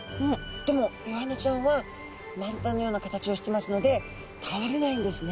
でもイワナちゃんは丸太のような形をしてますので倒れないんですね。